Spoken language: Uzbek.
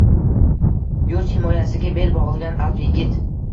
Yurt himoyasiga bel bog‘lagan alp yigit